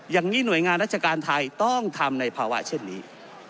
อย่างนี้หน่วยงานราชการไทยต้องทำในภาวะเช่นนี้